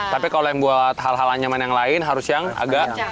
tapi kalau yang buat hal hal anyaman yang lain harus yang agak